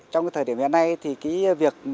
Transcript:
trong thời điểm hiện nay thì cái việc